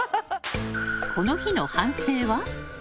この日の反省は？